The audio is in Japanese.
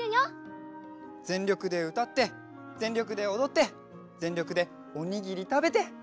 ぜんりょくでうたってぜんりょくでおどってぜんりょくでおにぎりたべて。